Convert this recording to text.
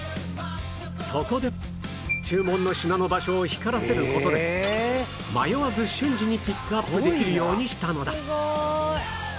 そこで注文の品の場所を光らせる事で迷わず瞬時にピックアップできるようにしたのだ